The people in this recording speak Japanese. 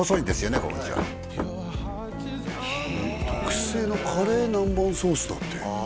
この店は特製のカレー南蛮ソースだってああ